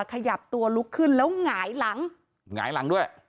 ขยับตัวลุกขึ้นแล้วหงายหลังหงายหลังด้วย